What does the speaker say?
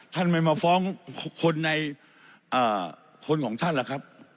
ท่านไม่มาฟ้องคนในคนของท่านล่ะครับ